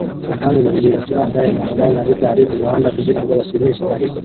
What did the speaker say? Abadamu babiri bacuranga inanga na gitari kumuhanda kugirango bashimishe abahisi